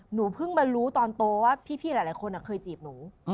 หนูเพิ่งมารู้ตอนโตว่าพี่หลายคนเคยจีบหนู